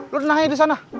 lo denang aja disana